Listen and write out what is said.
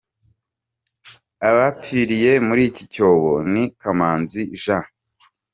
Abapfiriye muri iki cyobo ni Kamanzi J.